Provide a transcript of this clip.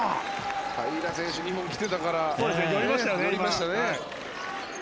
平良選手に２本来ていたから寄りましたよね。